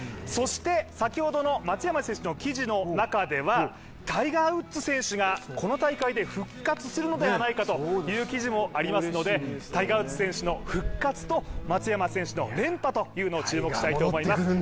そして先ほどの松山選手の記事の中ではタイガー・ウッズ選手がこの大会で復活するのではないかという記事もありますのでタイガー・ウッズ選手の復活と松山選手の連覇に注目したいと思います。